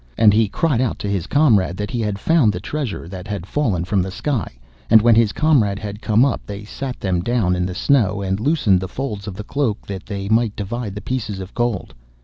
And he cried out to his comrade that he had found the treasure that had fallen from the sky, and when his comrade had come up, they sat them down in the snow, and loosened the folds of the cloak that they might divide the pieces of gold.